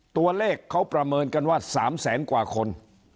ตัวเลขเขาประเมินกันว่า๓แสนกว่าคน